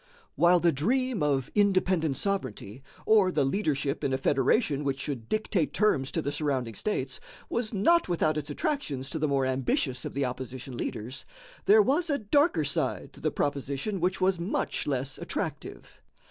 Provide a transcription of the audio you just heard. While the dream of independent sovereignty, or the leadership in a federation which should dictate terms to the surrounding states, was not without its attractions to the more ambitious of the opposition leaders, there was a darker side to the proposition which was much less attractive.